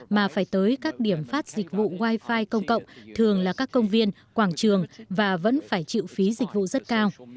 mà phải tới các điểm phát dịch vụ wi fi công cộng thường là các công viên quảng trường và vẫn phải chịu phí dịch vụ rất cao